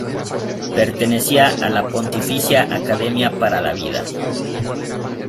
Pertenecía a la Pontificia Academia para la Vida.